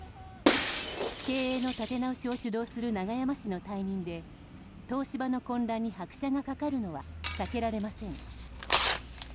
経営の立て直しを主導する永山氏の退任で東芝の混乱に拍車がかかるのは避けられません。